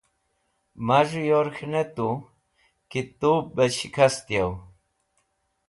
Maz̃hẽ yor k̃hẽnetu ki tub shikast yaw.